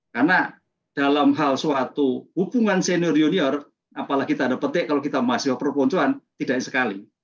karena dalam hal suatu hubungan senior junior apalagi tidak ada petik kalau kita masih berperbuncuan tidak sekali